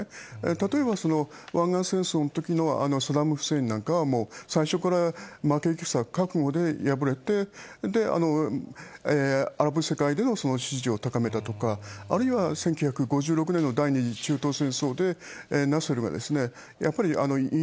例えば湾岸戦争のときのサダム・フセインなんかは、最初から負け戦覚悟で敗れて、で、アラブ世界での支持を高めたとか、あるいは１９５６年の第２次中東戦争でがですね、やっぱりイギ